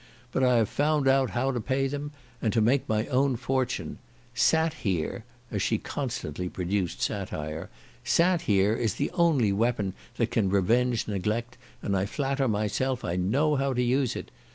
But I have found out how to pay them, and to make my own fortune. Sat here, (as she constantly pronounced satire) sat here is the only weapon that can revenge neglect, and I flatter myself I know how to use it.